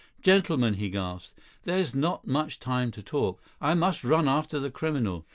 "Gentlemen," he gasped, "there's not much time to talk. I must run after the criminal.